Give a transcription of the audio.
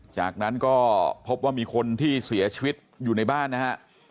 จากนั้นก็พบว่ามีคนที่เสียชีวิตอยู่ในบ้านนะฮะ